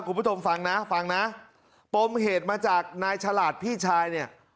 คุณผู้ชมฟังนะฟังนะปมเหตุมาจากนายฉลาดพี่ชายเนี่ย